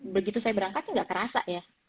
begitu saya berangkatnya gak kerasa ya